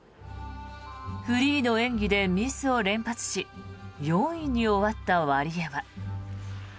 フリーの演技でミスを連発し４位に終わったワリエワ。